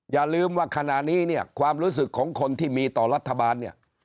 อย่าลืมว่าขณะนี้เนี่ยความรู้สึกของคนที่มีต่อรัฐบาลเนี่ย